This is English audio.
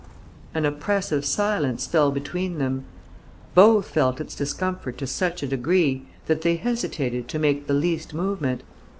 An oppressive silence fell between them. Both felt its discomfort to such a degree that they hesitated to make the least movement.